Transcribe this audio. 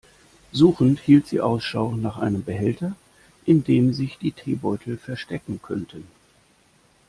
Suchend hielt sie Ausschau nach einem Behälter, in dem sich die Teebeutel verstecken könnten.